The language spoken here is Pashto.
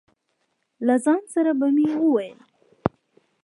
له ځان سره به مې وویل.